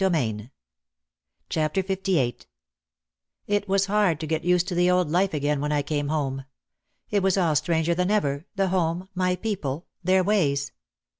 PART FIVE PART FIVE LVIII It was hard to get used to the old life again when I came home. It was all stranger than ever, the home, my people; their ways.